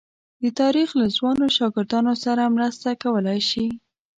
د تاریخ له ځوانو شاګردانو سره مرسته کولای شي.